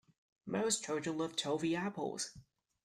Most children love toffee apples